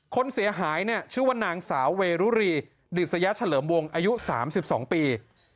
คนเสียหายเนี่ยชื่อว่านางสาวเวรุรีบิสยาเฉลิมวงอายุ๓๒ปี